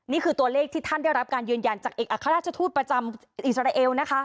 นี่คือตัวเลขที่ท่านได้รับการยืนยันจากเอกอัครราชทูตประจำอิสราเอลนะคะ